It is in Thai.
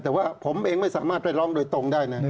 แต่ว่าผมเองไม่สามารถไปร้องโดยตรงได้นะ